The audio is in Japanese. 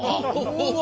うわ！